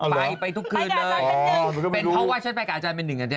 ไปไปทุกคืนเลยเป็นเพราะว่าฉันไปกับอาจารย์เป็นหนึ่งอันนี้